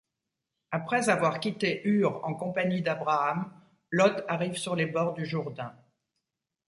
Après avoir quitté Ur en compagnie d'Abraham, Loth arrive sur les bords du Jourdain.